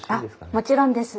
あっもちろんです。